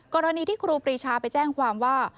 กรณีที่ครูปรีชาไปแจ้งความว่า